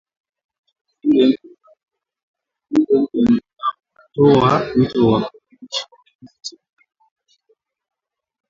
Mjumbe mpya unatoa wito wa kurekebishwa kikosi cha kulinda amani cha Umoja wa mataifa